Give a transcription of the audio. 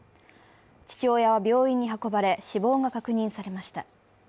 父親は病院に運ばれ、死亡が確認されました。